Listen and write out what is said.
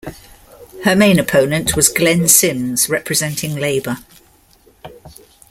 Her main opponent was Glenn Sims, representing Labor.